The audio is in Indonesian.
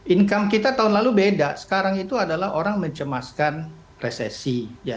income kita tahun lalu beda sekarang itu adalah orang mencemaskan resesi